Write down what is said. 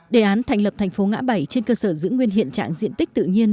đề án thành lập thành phố ngã bảy trên cơ sở giữ nguyên hiện trạng diện tích tự nhiên